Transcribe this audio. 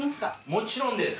もちろんです。